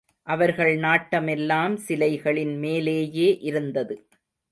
அவர்கள் நாட்டமெல்லாம் சிலைகளின் மேலேயே இருந்தது.